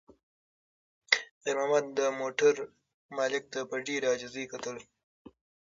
خیر محمد د موټر مالک ته په ډېرې عاجزۍ کتل.